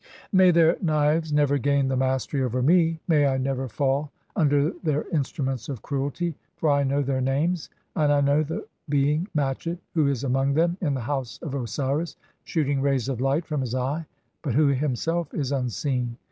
"May (33) their knives never gain the mastery over me, mav "I never fall under their instruments of cruelty, for (34) I know "their names, and I know the being Matchet who is among them "in the House of Osiris, shooting rays of light from [his] eye, but "who himself is unseen.